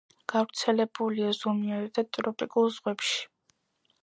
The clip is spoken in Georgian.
გავრცელებულია ზომიერ და ტროპიკულ ზღვებში.